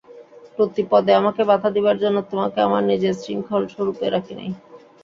প্রতি পদে আমাকে বাধা দিবার জন্য, তোমাকে আমার নিজের শৃঙ্খলস্বরূপে রাখি নাই।